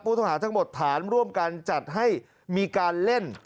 ต้องหาทั้งหมดฐานร่วมกันจัดให้มีการเล่น